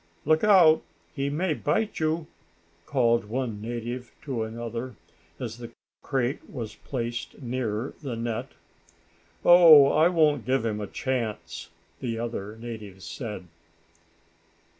"Look out. He may bite you!" called one native to another, as the crate was placed near the net. "Oh, I won't give him a chance!" the other native said.